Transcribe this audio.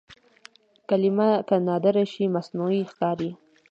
کلمه که نادره شي مصنوعي ښکاري.